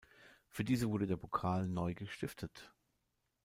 Für diese wurde der Pokal neu gestiftet.